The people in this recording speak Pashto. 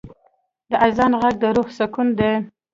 د آذان ږغ د روح سکون دی.